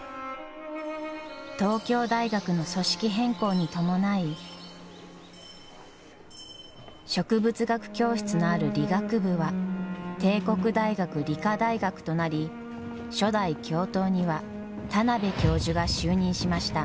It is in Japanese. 東京大学の組織変更に伴い植物学教室のある理学部は帝国大学理科大学となり初代教頭には田邊教授が就任しました。